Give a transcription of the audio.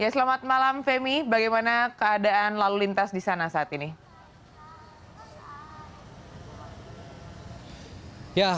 selamat malam femi bagaimana keadaan lalu lintas di sana saat ini